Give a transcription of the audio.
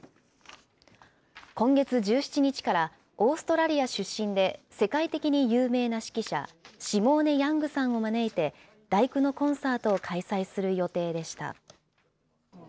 今月１７日から、オーストラリア出身で、世界的に有名な指揮者、シモーネ・ヤングさんを招いて、第九のコンサートを開催する予定でした。